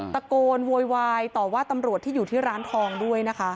โวยวายต่อว่าตำรวจที่อยู่ที่ร้านทองด้วยนะคะ